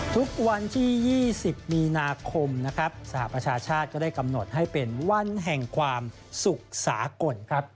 ทุกวันที่๒๐มีนาคมนะครับสหประชาชาติก็ได้กำหนดให้เป็นวันแห่งความสุขสากลครับ